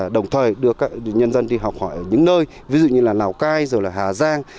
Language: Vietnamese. đồng thời đưa các nhân dân đi học hỏi ở những nơi ví dụ như là lào cai rồi là hà giang